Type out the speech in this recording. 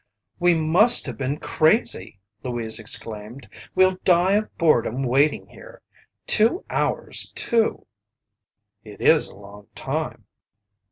"We must have been crazy!" Louise exclaimed. "We'll die of boredom waiting here. Two hours too!" "It is a long time."